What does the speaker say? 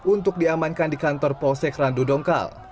untuk diamankan di kantor polsek randu dongkal